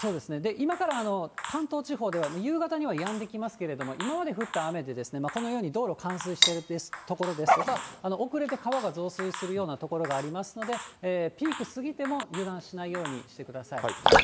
今から関東地方では夕方にはやんできますけれども、今まで降った雨でこのように道路冠水している所ですとか、遅れて川が増水するような所がありますので、ピーク過ぎても油断しないようにしてください。